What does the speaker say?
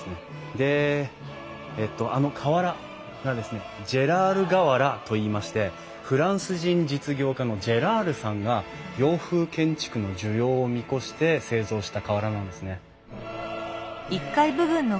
でえっとあの瓦がですねジェラール瓦といいましてフランス人実業家のジェラールさんが洋風建築の需要を見越して製造した瓦なんですね。